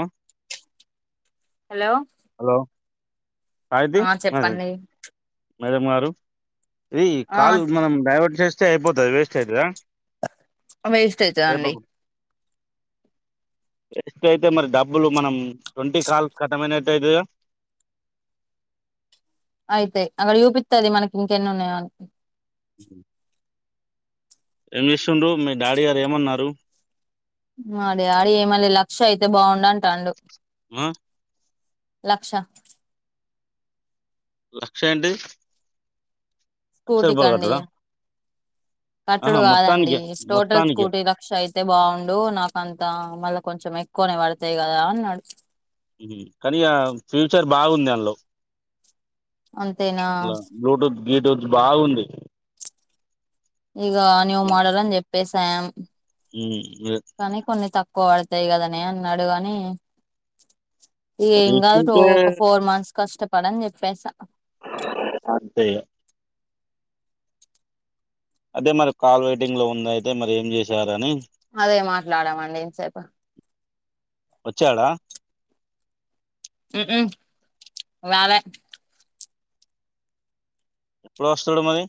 ఆ hello hello ఆ చెప్పండి రే ఆ కాల్ మనం డైవర్ట్ చేస్తే అయిపోతుంది వేస్ట్ అయితదా వేస్ట్ అయితదండి వేస్ట్ అయితే మరి డబ్బులు మనం ట్వంటీ కాల్స్ కతమైనట్టు అయితుంద అయితేయి అక్కడ చూపిస్తుది మనకి ఇంకెన్ని ఉన్నాయో అన్ ఊహూ ఏమి ఇస్తుండ్రు మీ డాడీ గారు ఏమన్నారు ఆడి డాడీ ఏమన్ల లక్ష అయితే బావుండు అంట అండు. ఆ లక్ష లక్స్ ఏంటి లక్ష స్కూటి రూపాయలు కండి కట్టుడా కట్టడు ఆహా కాదండి మొత్తానికే టోటల్ మొత్తానికే స్కూటీ లక్ష అయితే బాగుండు నాకంతా మళ్ళ కొంచెం ఎక్కువనే పడతాయి కదా అన్నాడు కానిక ఫ్యూచర్ బాగుంది అందులో అంతేనా గీటోస్ బాగుంది ఇగ న్యూ మోడల్ అని చెప్పేస్యాం హ్మ్ కోడతాయి కదనే అన్నాడు కాని ఏం కాదు రీస్తుంటే ఒక ఫోర్ మంత్స్ కష్టపడని చెప్పేసా అంతే ఇగ అదతే మరి కాల్ వెయిటింగ్ లో ఉంద అయితే మరి ఏం చేసారని అదే మాట్లాడామండి ఇంతసేపు వచ్చాడా మ్మ్ మ్మ్ రాలే ఎప్పుడు వస్తాడు మరి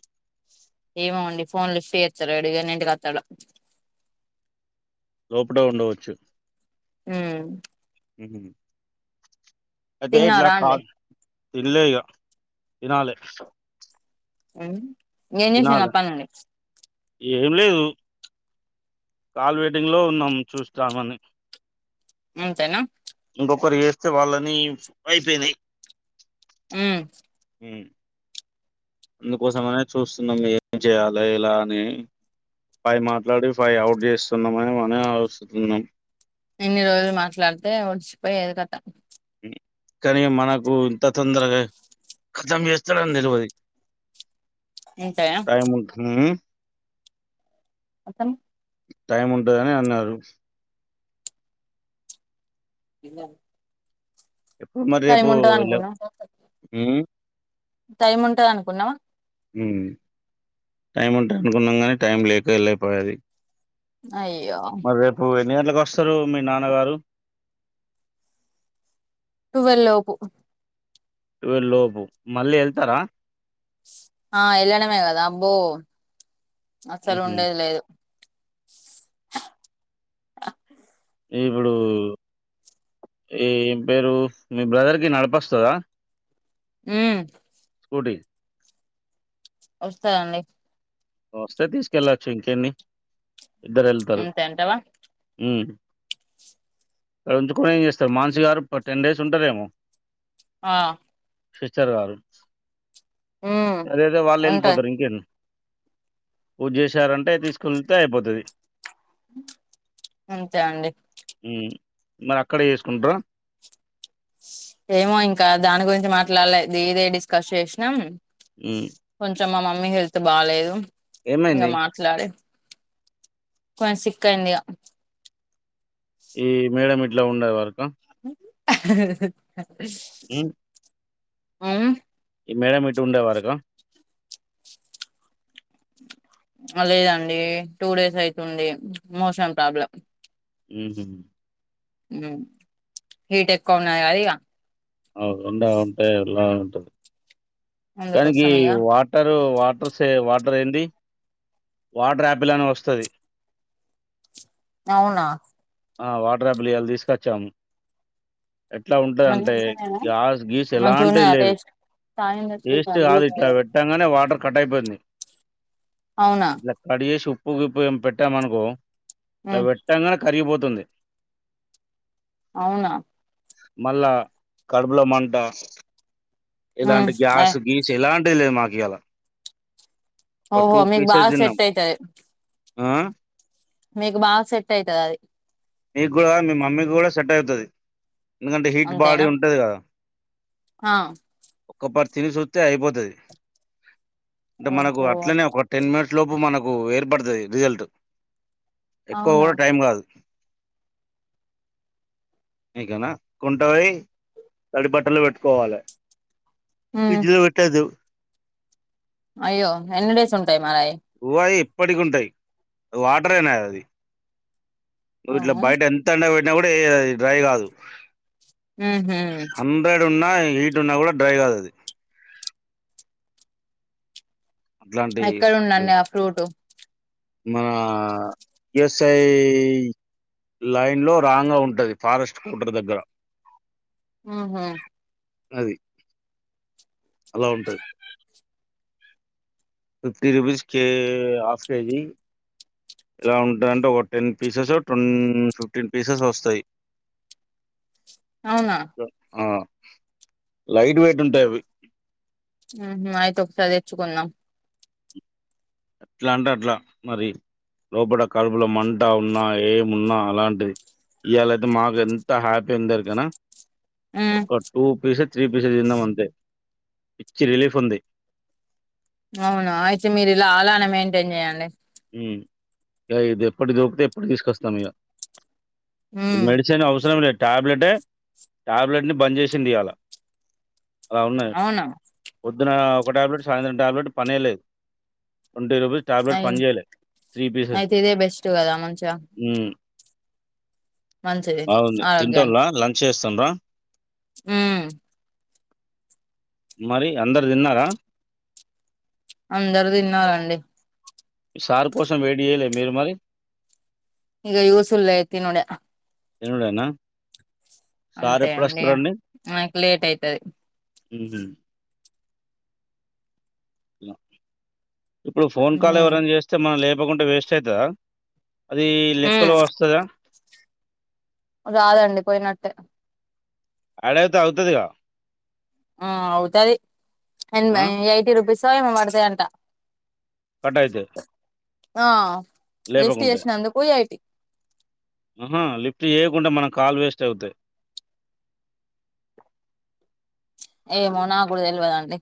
ఏమో అండి ఫోన్లు లిఫ్ట్ చెత్తలేడు ఎన్నిఇంటికి వస్తాడో లోపట ఉండవచ్చు మ్మ్ ఉ అయితే ఇట్లా తిన్నారా కా అండి తినలే ఇక తినాలే నేం చేసాను అప్ప నుండి ఏం లేదు కాల్ వెయిటింగ్ లో ఉన్నాం చూస్తామని అంతేనా ఒకరు వేస్తే వాళ్ళని అయిపోయినాయి మ్మ్ హ్మ్ అందుకోసమ అనే చూస్తున్నాం ఏం చేయాలి ఎలా అని ఫైవ్ మాట్లాడి ఫై అవుట్ చేస్తున్నామని మన ఆలోచస్తున్నాం ఇన్ని రోజులు మాట్లాడితే డిచిపోయేది కదా ఉమ్. కానీ మనకు ఇంత తొందరగా కథం చేస్తాడని తెలివది అంతేనా టై ము మొత్తం టైం ఉంటందని అన్నారు ఇన్న ఎప్పుడు మరి రేపు హ్మ్ టైం ఉంటంది అనుకున్నావా టైం ఉంటు అనుకున్నాం కానీ టైం లేక వెళ్ళపోయేది అయ్యో ఎన్ని గంటలకు వస్తారు మీ నాన్నగారు టువెల్ లోపు లోపు మళ్ళీ వెళ్తారా ఆ ఎల్లడమే కదా అబ్బో అసలు ఉహు. ఉండేదిలేదు ఇప్పుడు ఈ పేరు మీ బ్రదర్ కి నడపస్తదా మ్మ్ స్కూటి వస్తది అండి వస్తే తీసుకెళ్ళచ్చు ఇంకేన్ని ఇద్దరు వెళ్తారు అంతే అంటావా ఉంచుకుని ఏం చేస్తారు మాన్సి గారు టెన్ డేస్ ఉంటారేమో ఆ ఫిచర్ గారు మ్మ్ అదయితే వాళ్ళు ఉంటది వెళ్ళిపోతారు ఇంకే ఊ చేశారంటే తీసుకుళ్తే అయిపోతుంది అంతే అండి ఉమ్. మరి అక్కడే చేసుకుంటార ఏమో ఇంకా దాని గురించి మాట్లాడలేదు ఇదే డిస్కస్ చేసినాం ఉ కొంచెం మా మమ్మీ హెల్త్ బాలేదు ఇక ఏమైంది మాట్లాడి కొంచెం సిక్ అయింది ఇగ ఈ మేడం ఇట్లా ఉండది వరకు ఉమ్. అవు ఈ మేడం ఇటు ఉండేవరక లేదండి టూ డేస్ అయితుండంది మోసం ప్రాబ్లం ఉహు హీట్ ఎక్కువ ఉన్నాయి అది అవు ఉంగుంటే ఎలాగుంటది కానికి అందుకోసం ఇగ వాటరు వాటర్ సే వాటర్ ఏంటి వాటర్ ఆపిల్ అని వస్తది అవునా ఆ వాటర్ ఆపిల్ ఇవాళ తీసుకొచ్చామ ఎట్లా ఉంటుంది అంటే మంచిగా గ్యాస్ గీస్ ఎలాంటి ఉన్నదా లేదు టేస్ట్ టేస్ట్ కాదు ఇట్లా పెట్టంగానే వాటర్ కట్ అయిపోయింది అవునా ఇట్లా కడి చేసి ఉప్పు గప్పు ఏం పెట్టామ అనుకో ఇలా ఉమ్ పెట్టాంగానే కరిగిపోతు స్తుంది అవునా మళ్ళా కడుపులో మంట ఉమ్ ఇలాంటి అయ్ గ్యాస్ గీస్ ఇలాంటి లేదు మాకు ఇలా ఓహో మీకు బాగా సెట్ అయితది ఆ! మీకు బాగా సెట్ అయితది అది మీకు కూడా మీ మమ్మీకి కూడా సెట్ల్ అవుతుది ఎందుకంటే హీట్ బాడీ అంతేనా ఉంటది కదా ఆ తిని చూస్తే అయిపోతుంది అంటే మనకు ఓహో అట్లనే ఒక టెన్ మినిట్స్ ఇ లోపు మనకు ఏర్పడుతుది రిజల్ట్ ఎక్కువ అవునా కూడా టైం కాదు ఇకానా కొంట పోయి తడి బట్టలు పెట్టుకోవాలి ఉమ్ ఫ్రిడ్జ్ లో పెట్టదు అయ్యో ఎన్ని డేస్ ఉంటాయి మరి అయి గువాయి ఇప్పటికి ఉంటాయి వాటర్ నా అది నువ్వు ఇట్లా అవును బయట ఎంత ఎండ పెట్టినా కూడాది డ్రై కాదు ఉహు హండ్రెడ్ ఉన్నా హీట్ ఉన్నా కూడా డ్రై కాదు అది అట్లాంటి ఎక్కడ అది ఉన్నాండి ఆ ఫ్రూట్ మన ఎస్ఐ లైన్ లో రాంగా ఉంటది ఫారెస్ట్ కౌటర్ దగ్గర ఉహు అది అలా ఉంటది ఫిఫ్టీ రుపీస్ కే హాఫ్ కేజీ ఇలా ఉంటుందంటే ఒక ten pieces twenty fifteen pieces వస్తాయి అవునా ఆ లైట్ వెయిట్ ఉంటాయి అవి ఉహూ అయితే ఒకసారి తెచ్చుకుందాం ఎట్లాంట అట్లా మరి లోపల కడుపుల మంట ఉన్నా ఏమున్నా అలాంటిది ఇయ్యాల అయితే మాకు ఎంత హ్యాపీ అందరి కన్నా ఉమ్ ఒక టూ పీసెస్ త్రీ పీసెస్ తిన్నాం అంతే పిచ్చి రిలీఫ్ ఉంది అవునా అయితే మీరు ఇలా అలానే మెయింటైన్ చేయండి ఉమ్ ఇక ఇది ఎప్పటి దొరికితే ఎప్పుడు తీసుకొస్తాం ఇక ఈ ఉమ్ మెడిసిన్ అవసరం లే టాబ్లెటే టాబ్లెట్ని బంద్ చేసింది ఇయ్యాల అలా ఉన్నాయి అవునా పొద్దున ఒక టాబ్లెట్ సాయంత్రం ట్యాబ్లెట్ పనే లేదు ట్వంటీ రూపీస్ టాబ్లెట్ అయి పని చేయలే త్రీ అయితే పీసెది ఇదే బెస్ట్ కదా మంచిగా ఉమ్ మంచిది బాగుంది తింటుల్ల ఆరోగ్యానికి లంచ్ చేస్తుర్రా ఉమ్ మరి అందరు తిన్నారా అందరు తిన్నారండి సార్ కోసం వెయిట్ చేయలే మీరు మరి ఇగ సూసుడు లేదు తినుడే తినుడేనా సార్ అంతే అండి ఎప్పుడొస్తారండి? నాకి లేట్ అయితది ఉమ్ ఇప్పుడు ఫోన్ కాల్ ఉమ్ ఎవరైనా చేస్తే మనం లేపకుంటే వేస్ట్ అయితదా అది ఉమ్ లెక్కలో వస్తదా రాదండి పోయినట్టే యాడ్ అయితే అవుతదిగా ఆ అవుతది ఆ! ఎయిటీ రుపీస్ ఏమో పడతాయంట కట్ అయితే ఆ లిఫ్ట్ చేసినందుకు ఎయిటీ ఆహా లిఫ్ట్ చేయకుంటే మనకు కాలు వేస్ట్ అవుతాయి ఏమో నాకు కూడా తెలవదండి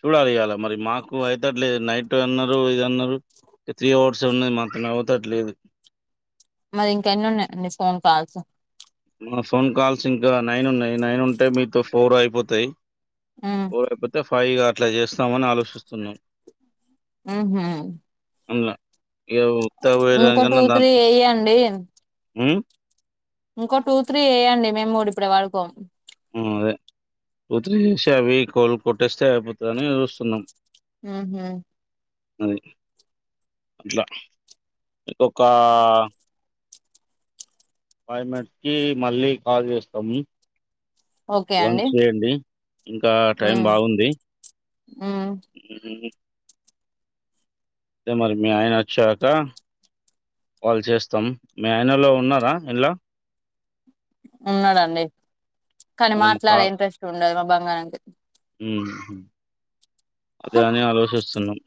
చూడాలి ఇయ్యాల మరి మాకు అయితట్లేదు నైట్ అన్నారు ఇద అన్నారు అంటే త్రీ అవర్స్ ఉన్నాయి మా తోని అవతాట్ లేదు మరి ఇంకా ఎన్ని ఉన్నాయండి ఫోన్ కాల్స్ మా ఫోన్ కాల్స్ ఇంకా నైన్ ఉన్నాయి నైన్ ఉంటే మీతో ఫోర్ అయిపోతాయి మ్మ్ ఫోర్ అయిపోతే ఫైవ్ ఇగ అట్లా చేస్తామని ఆలోచిస్తున్నాం ఉహూ మళ్ళ ఇగ ఉత్తది టూ పోయడానికన్నా త్రీ దాంట్లో ఎయ్యండి ఉమ్ ఇంకో టూ త్రీ చేయండి మేము కూడా ఇప్పుడే పడుకోం ఉమ్ అదే టూ త్రీ చేసి అవి కోలు కొట్టేస్తే అయిపోతదని చూస్తున్నాం ఉహూ అది అట్లా ఒక ఫైవ్ మినిట్స్ కి మళ్ళీ కాల్ చేస్తాము ఓకే అండి లంచ్ చేయండి ఇంకా టైం మ్మ్ బాగుంది మ్మ్ ఉమ్ అదే మరి మీ ఆయన వచ్చేదాక కాల్ చేస్తాం మీ ఆయనలో ఉన్నారా ఇంలా ఉన్నాడండి కానీ మనం మాట్లాడే ఇంట్రెస్ట్ ఉండదు మా బంగారానికి ఉహూ అదే అని ఆలోచిస్తున్నాం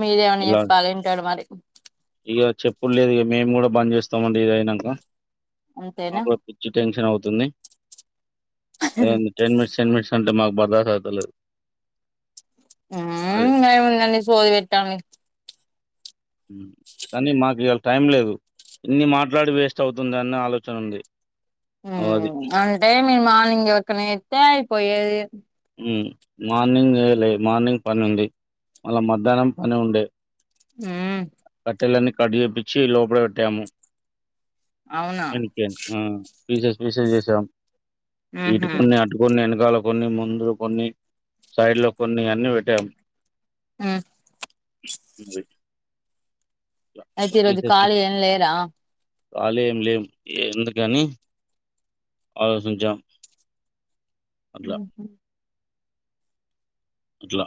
మీరేమని చెప్పాలి వింటాడు మరి ఇక చెప్పుడు లేదు ఇక మేము కూడా బంద్ చేస్తామండి ఇది అయినాక అంతేనా మాకు పిచ్చి టెన్షన్ అవుతుంది అదే టెన్ మినిట్స్ టెన్ మినిట్ అంటే మాకు బదసవుతలేదు అ ఎమ్ముంది అండి సోది పెట్టాలే కానీ మాకు ఇవాళ టైం లేదు ఇన్ని మాట్లాడి వేస్ట్ అవుతుంది అన్న ఆలోచన ఉంది అది. అంటే మీరు మార్నింగ్ ఎవరికన్నా చేతే అయిపోయేది మార్నింగ్ చేయలే మార్నింగ్ పని ఉంది మళ్ళ మధ్యాహ్నం పని ఉండే హ్మ్ తెల్లని కట్ చేప్పించి లోపల పెట్టాము అవునా అందుకే పీసెస్ పీసెస్ చేశాం మ్హు ఇటుకొన్ని అటుకొన్ని వెనకాల కొన్ని ముందుకు కొన్ని సైడ్ లో కొన్ని అన్ని పెట్టాము హ్మ్ అది అయితే ఇ రోజు ఖాళి ఏం లేరా కాలేం లేను అందుకని ఆలోచించా ఉహు ఇట్లా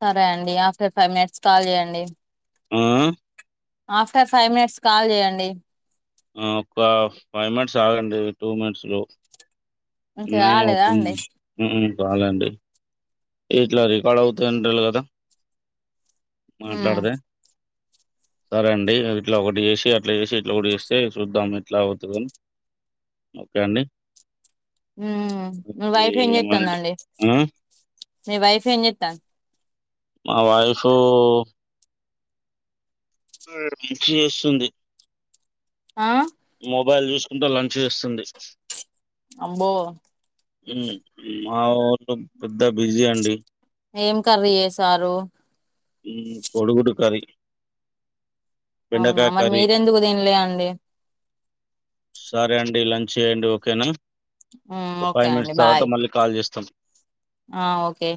సరే అండి ఆఫ్టర్ ఫైవ్ మినిట్స్ కాల్ చేయండి ఉహు ఆఫ్టర్ ఫైవ్ మినిట్స్ కాల్ చేయండి ఆ ఒక ఫైవ్ మినిట్స్ ఆగండి టూ మినిట్స్ లో ఇంకా న కాలేదా అండి అవుతుంది చాలండి ఇట్లా రికార్డ్ అవుతు డాలీ కదా మ్మ్ మాట్లాడుతె సరే అండి ఇట్లా ఒకటి చేసి అట్లా చేసి ఇట్లా ఒకటి చేస్తే చూద్దాం ఇట్లా అవుతుందని ఓకే అండి హ్మ్ మీ ఇది వైఫ్ ఏం ఏమంటే చేస్తుందండీ ఆ! మీ వైఫ్ ఏం చేతంది మా వైఫ్ ఉ లంచ్ చేస్తుంది ఆ మొబైల్ చూసుకుంటూ లంచ్ చేస్తుంది అబో మా ఓళు పెద్ద బిజీ అండి ఏం కర్రీ చేసారు కోడిగుడు కర్రీ అవునా బెండకాయ మరి కర్రీ. మీరెందుకు తినలే అండి సరే అండి లంచ్ చేయండి ఓకేనా మ్మ్ ఓకే ఫైవ్ అండి మినిట్స్ తర్వాత బాయ్ మళ్ళీ కాల్ చేస్తాం ఆ ఓకే